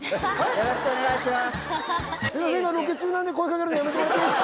よろしくお願いします。